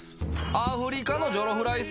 アフリカのジョロフライス。